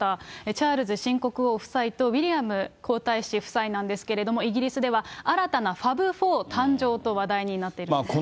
チャールズ新国王夫妻とウィリアム皇太子夫妻なんですけれども、イギリスでは新たなファブ４誕生と話題になっているんですね。